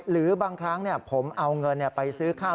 หรือบางครั้งผมเอาเงินไปซื้อข้าว